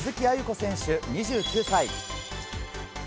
選手、２９歳。